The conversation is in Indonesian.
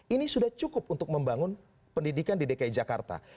ini sudah cukup untuk membangun pendidikan di dki jakarta